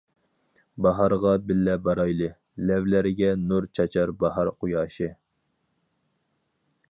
باھارغا بىللە بارايلى، لەۋلەرگە نۇر چاچار باھار قۇياشى.